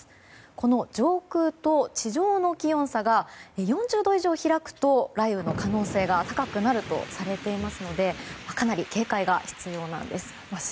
この上空と地上の気温差が４０度以上開くと雷雨の可能性が高くなるとされていますのでかなり警戒が必要なんです。